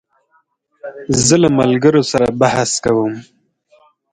زه له ملګرو سره بحث کوم.